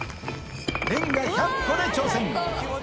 レンガ１００個で挑戦。